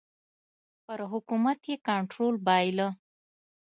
پر حکومت یې کنټرول بایله.